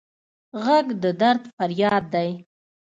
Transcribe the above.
غږ د درد فریاد دی